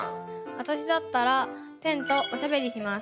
私だったら「ペンとおしゃべり」します。